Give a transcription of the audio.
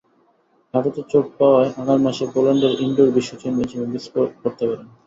হাঁটুতে চোট পাওয়ায় আগামী মাসে পোল্যান্ডের ইনডোর বিশ্বচ্যাম্পিয়নশিপ মিসও করতে পারেন।